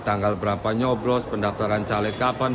tanggal berapa nyoblos pendaftaran caleg kapan